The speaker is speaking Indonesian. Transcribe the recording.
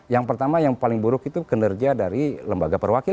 yang pertama yang paling buruk itu kinerja dari lembaga perwakilan